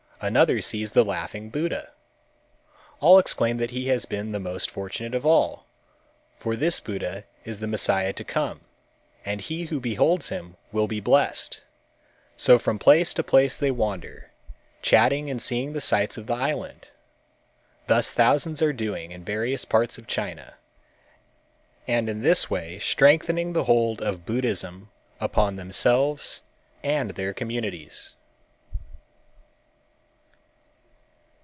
Another sees the Laughing Buddha. All exclaim that he has been the most fortunate of all, for this Buddha is the Messiah to come and he who beholds him will be blessed. So from place to place they wander, chatting and seeing the sights of the island. Thus thousands are doing in various parts of China, and in this way strengthening the hold of Buddhism upon themselves and their communities.